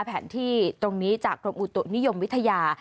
แผนที่ตรงนี้จากกรมอุตุนิยมวิทยา